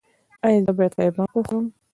ایا زه باید قیماق وخورم؟